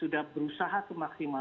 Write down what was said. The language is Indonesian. sudah berusaha semaksimal